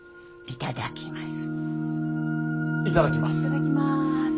いただきます。